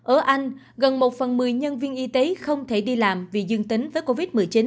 ở anh gần một phần một mươi nhân viên y tế không thể đi làm vì dương tính với covid một mươi chín